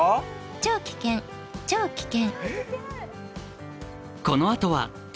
「超危険、超危険」。